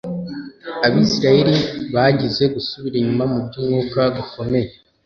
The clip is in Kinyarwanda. Abisirayeli bagize gusubira inyuma mu byumwuka gukomeye